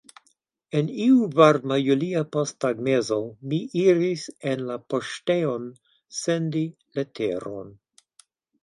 En iu varma julia posttagmezo mi iris en la poŝtejon sendi leteron.